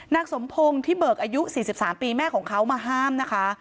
นางสมพงศ์ที่เบิกอายุ๔๓ปีแม่ของเขามาห้ามนะคะ